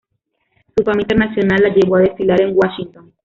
Su fama internacional la llevó a desfilar en Washington.